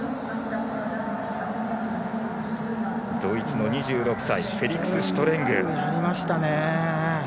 ドイツの２６歳フェリクス・シュトレング。